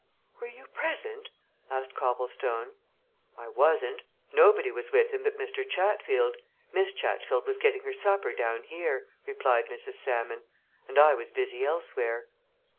"Were you present?" asked Copplestone. "I wasn't. Nobody was with him but Mr. Chatfield Miss Chatfield was getting her supper down here," replied Mrs. Salmon. "And I was busy elsewhere."